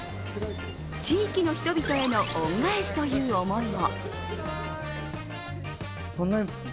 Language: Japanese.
地域の人々への恩返しという思いも。